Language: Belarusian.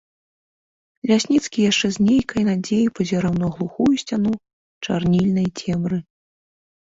Лясніцкі яшчэ з нейкай надзеяй пазіраў на глухую сцяну чарнільнай цемры.